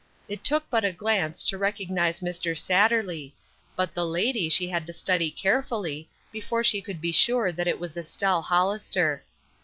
It took but a glance to recognize Mr. Satterley, but the lady she had to study carefully before she could be sure that it was Estelle Hollister.